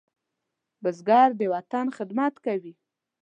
بزګر د وطن خدمت کوي